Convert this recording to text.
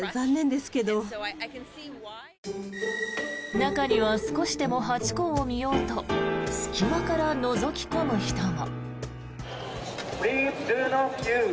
中には少しでもハチ公を見ようと隙間からのぞき込む人も。